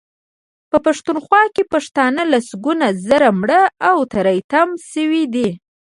په پښتونخوا کې پښتانه لسګونه زره مړه او تري تم شوي دي.